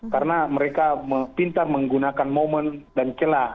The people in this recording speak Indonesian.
karena mereka pintar menggunakan momen dan celah